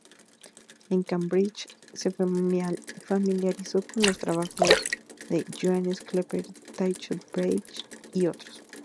En Cambridge se familiarizó con los trabajos de Johannes Kepler, Tycho Brahe y otros.